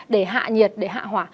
để hạ nhiệt để hạ hỏa